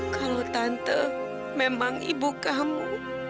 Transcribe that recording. kalau tante memang ibu kamu